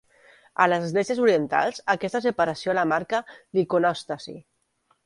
A les esglésies orientals aquesta separació la marca l'iconòstasi.